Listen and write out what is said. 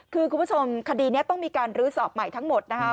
คือคุณผู้ชมคดีนี้ต้องมีการลื้อสอบใหม่ทั้งหมดนะคะ